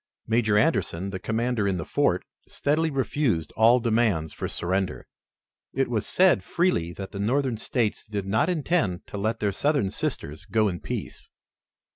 Major Anderson, the commander in the fort, steadily refused all demands for surrender. It was said freely that the Northern States did not intend to let their Southern sisters go in peace.